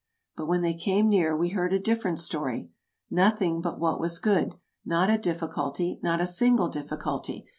But when they came near we heard a different story: "Nothing but what was good — not a difficulty, not a single difficulty.